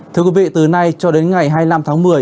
thưa quý vị từ nay cho đến ngày hai mươi năm tháng một mươi